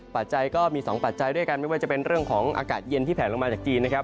ปัจจัยก็มี๒ปัจจัยด้วยกันไม่ว่าจะเป็นเรื่องของอากาศเย็นที่แผลลงมาจากจีนนะครับ